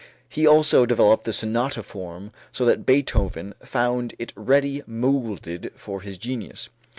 He also developed the sonata form so that Beethoven found it ready moulded for his genius.